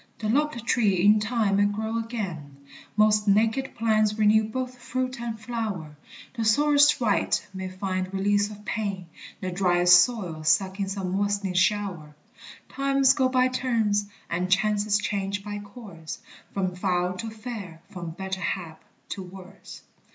The lopped tree in time may grow again; Most naked plants renew both fruit and flower; The sorest wight may find release of pain, The driest soil suck in some moist'ning shower; Times go by turns and chances change by course, From foul to fair, from better hap to worse.